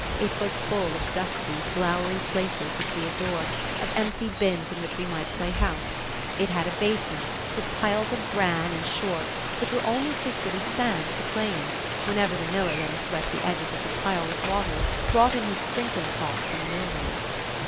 It was full of dusky, floury places which we adored, of empty bins in which we might play house; it had a basement, with piles of bran and shorts which were almost as good as sand to play in, whenever the miller let us wet the edges of the pile with water brought in his sprinkling pot from the mill race.